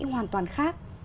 chẳng toàn khác